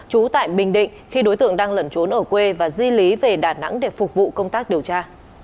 trú tại bình định khi đối tượng đang lẩn trốn ở quê và di lý về đà nẵng để phục vụ công tác điều tra